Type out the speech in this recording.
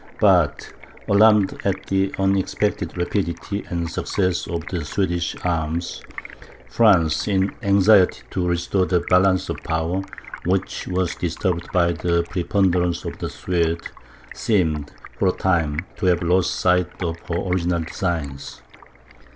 But alarmed at the unexpected rapidity and success of the Swedish arms, France, in anxiety to restore the balance of power, which was disturbed by the preponderance of the Swedes, seemed, for a time, to have lost sight of her original designs.